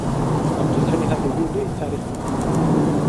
عبدالحی حبیبي لوی تاریخ لیکونکی و.